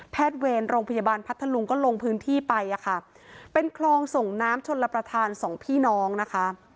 เวรโรงพยาบาลพัทธลุงก็ลงพื้นที่ไปอ่ะค่ะเป็นคลองส่งน้ำชนรับประทานสองพี่น้องนะคะ